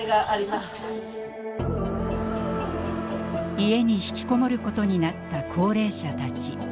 家に引きこもることになった高齢者たち。